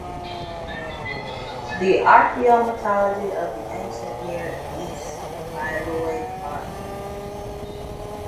"The Archaeometallurgy of the Ancient Near East" by Lloyd R.